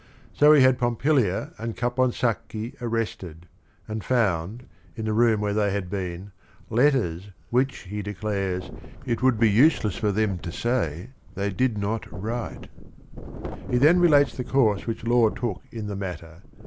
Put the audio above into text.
So he had Pompilia and Caponsacchi arrested, and found, in the room where they had been, letters, which, he declares, it would be useless for them to say they did not write. He then relates the course which law took in the matter.